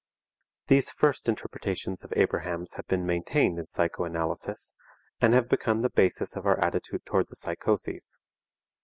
These first interpretations of Abraham's have been maintained in psychoanalysis, and have become the basis of our attitude towards the psychoses.